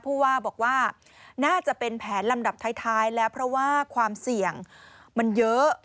ผู้ว่าบอกว่าน่าจะเป็นแผนลำดับท้ายแล้วเพราะว่าความเสี่ยงมันเยอะ